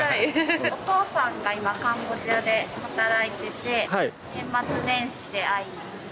お父さんが今、カンボジアで働いてて、年末年始で会いに。